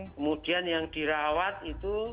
kemudian yang dirawat itu